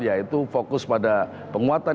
yaitu fokus pada penguatan